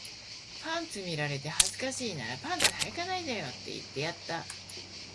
パンツ見られて恥ずかしいならパンツ履かないでよって言ってやった